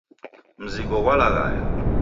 Mzigo ghwa laghaya